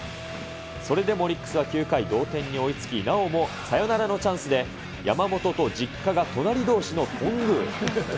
それでもオリックスは９回、同点に追いつき、なおもサヨナラのチャンスで、山本と実家が隣どうしの頓宮。